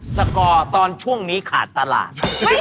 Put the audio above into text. สกอร์ตอนช่วงนี้ขาดตลาด